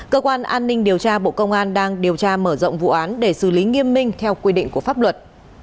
cơ quan an ninh điều tra bộ công an đang điều tra mở rộng vụ án để xử lý nghiêm minh theo quy định của pháp luật